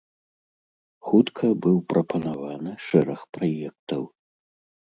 Хутка быў прапанаваны шэраг праектаў.